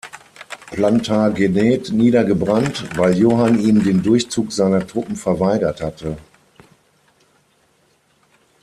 Plantagenet niedergebrannt, weil Johann ihm den Durchzug seiner Truppen verweigert hatte.